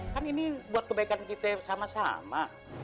kan ini buat kebaikan kita sama sama